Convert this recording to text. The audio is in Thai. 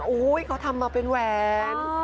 โอ้โหเขาทำมาเป็นแหวน